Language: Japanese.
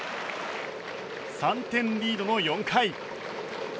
３点リードの４回。